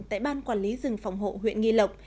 tại ban quản lý rừng phòng hộ huyện nghi lộc